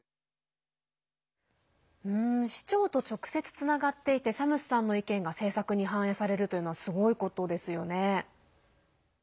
市長と直接つながっていてシャムスさんの意見が政策に反映されるというのはすごいことですよね。